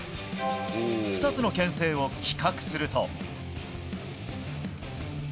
２つの牽制を比較すると。